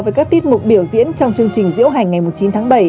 so với các tiết mục biểu diễn trong chương trình diễu hành ngày một mươi chín tháng bảy